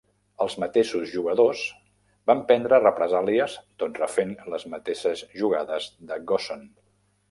Els mateixos jugadors van prendre represàlies tot refent les mateixes jugades de Gosson.